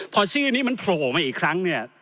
พอชื่อนี้มันโผล่ออกมาอีกครั้งเนี่ย